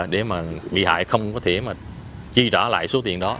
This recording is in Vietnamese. để bị hại không có thể chi trả lại số tiền đó